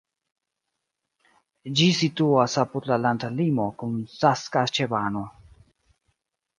Ĝi situas apud la landlimo kun Saskaĉevano.